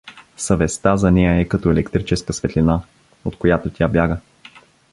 Съвестта за нея е като електрическа светлина, от която тя бяга.